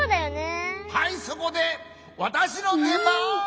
はいそこでわたしのでばん！